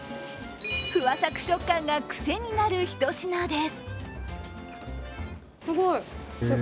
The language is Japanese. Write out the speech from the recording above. ふわサク食感が癖になるひと品です。